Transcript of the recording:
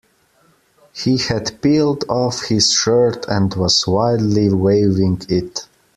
He had peeled off his shirt and was wildly waving it.